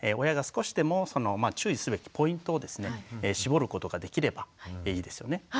親が少しでも注意すべきポイントをですね絞ることができればいいですよね。